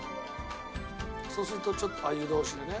そうするとちょっと湯通しでね。